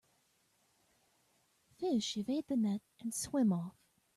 Fish evade the net and swim off.